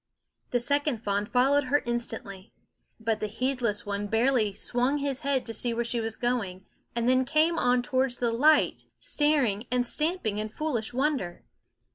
The second fawn followed her instantly; but the heedless one barely swung his head to see where she was going, and then came on towards the light, staring and stamping in foolish wonder.